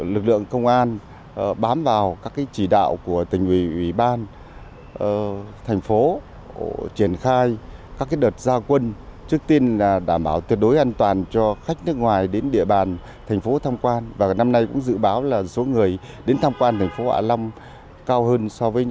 lực lượng công an bám vào các chỉ đạo của tỉnh ủy ban thành phố